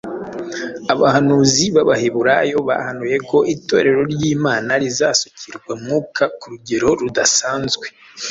abahanuzi b’Abaheburayo bahanuye ko Itorero ry’Imana rizasukirwa Mwuka ku rugero rudasanzwe.